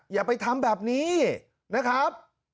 อย่าไปทำแบบนี้นะครับ